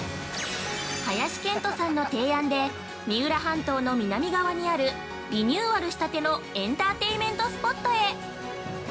◆林遣都さんの提案で三浦半島の南側にあるリニューアルしたてのエンターテインメントスポットへ。